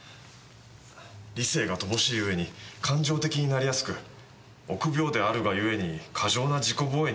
理性が乏しい上に感情的になりやすく臆病であるが故に過剰な自己防衛に走る。